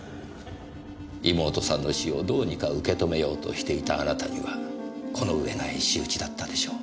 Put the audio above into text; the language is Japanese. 妹さんの死をどうにか受け止めようとしていたあなたにはこの上ない仕打ちだったでしょう。